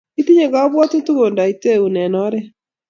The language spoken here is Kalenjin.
Itinye kakwoutik kondoitaun eng oret